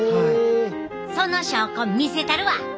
その証拠見せたるわ！